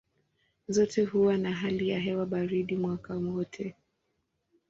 Zote huwa na hali ya hewa baridi mwaka wote.